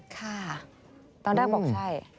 ค่ะต้องได้บอกใช่